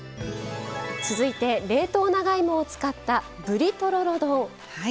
続いて冷凍長芋を使ったぶりとろろ丼。